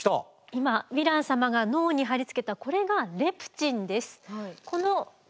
今ヴィラン様が脳に貼り付けたこれがレプチンです。